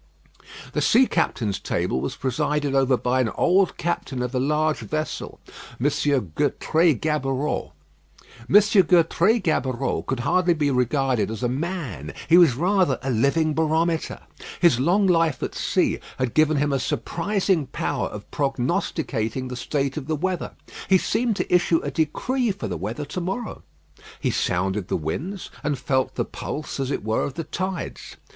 The sea captains' table was presided over by an old captain of a large vessel, M. Gertrais Gaboureau. M. Gertrais Gaboureau could hardly be regarded as a man; he was rather a living barometer. His long life at sea had given him a surprising power of prognosticating the state of the weather. He seemed to issue a decree for the weather to morrow. He sounded the winds, and felt the pulse, as it were, of the tides.